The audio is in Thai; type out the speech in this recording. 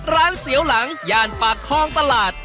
เสียวหลังย่านปากคลองตลาด